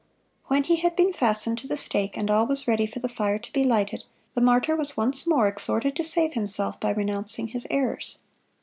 When he had been fastened to the stake, and all was ready for the fire to be lighted, the martyr was once more exhorted to save himself by renouncing his errors.